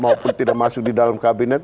maupun tidak masuk di dalam kabinet